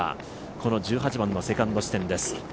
この１８番のセカンド地点です。